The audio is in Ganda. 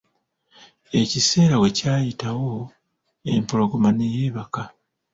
Ekiseera wekyayitawo, empologoma ne yeebaka.